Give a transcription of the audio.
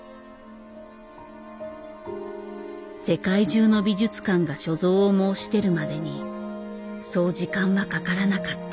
世界中の美術館が所蔵を申し出るまでにそう時間はかからなかった。